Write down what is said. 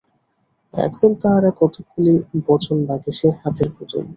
এখন তাঁহারা কতকগুলি বচনবাগীশের হাতের পুতুল।